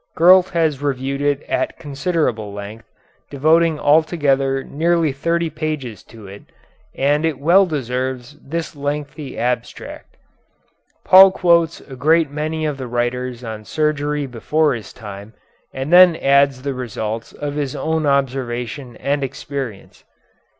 Gurlt has reviewed it at considerable length, devoting altogether nearly thirty pages to it, and it well deserves this lengthy abstract. Paul quotes a great many of the writers on surgery before his time, and then adds the results of his own observation and experience.